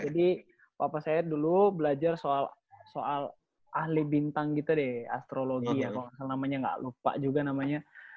jadi papa saya dulu belajar soal ahli bintang gitu deh astrologi ya kalau nggak salah namanya nggak lupa juga namanya